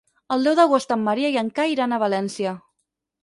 El deu d'agost en Maria i en Cai iran a València.